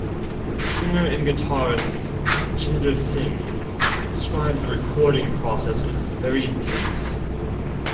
Singer and guitarist Tjinder Singh described the recording process as very intense.